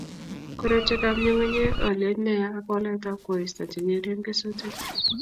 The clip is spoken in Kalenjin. korotwekab nyung'unyek, olyet neya ak waletab koristo chenyeren kesutik